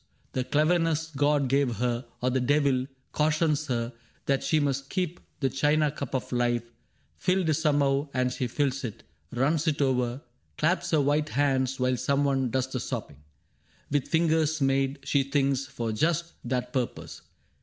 The cleverness God gave her — or the devil — cautions her That she must keep the china cup of life Filled somehow, and she fills it — runs it over — Claps her white hands while some one does the sopping With fingers made, she thinks, for just that purpose.